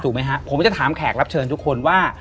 ไหมฮะผมจะถามแขกรับเชิญทุกคนว่า